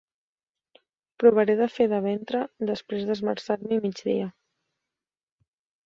Provaré de fer de ventre després d'esmerçar-hi mig dia.